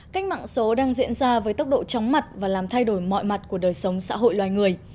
cách mạng số đang diễn ra với tốc độ chóng mặt và làm thay đổi mọi mặt của đời sống xã hội loài người